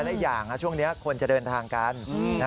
และอีกอย่างช่วงนี้คนจะเดินทางกัน